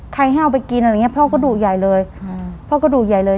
ให้เอาไปกินอะไรอย่างเงี้พ่อก็ดุใหญ่เลยอืมพ่อก็ดุใหญ่เลย